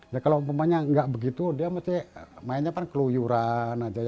ya kalau umpamanya enggak begitu dia masih mainnya kan keluyuran aja ya